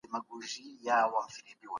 ژبني خپلواکي هم مهمه ده.